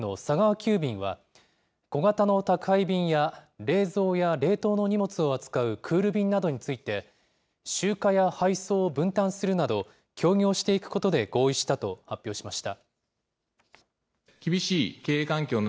急便は、小型の宅配便や冷蔵や冷凍の荷物を扱うクール便などについて、集荷や配送を分担するなど、協業していくことで合意したと発表しました。